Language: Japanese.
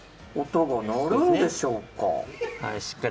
音が鳴るんでしょうか。